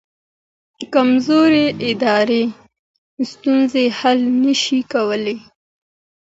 کمزوري ادارې ستونزې حل نه شي کولی.